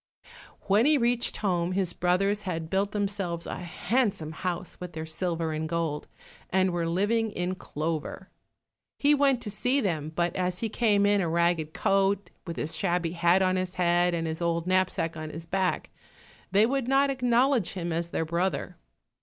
When he reached home, his brothers had built themselves a handsome house with their silver and gold, and were living in clover. He went to see them, but as he came in a ragged coat, with his shabby hat on his head, and his old knapsack on his back, they would not acknowledge him as their brother.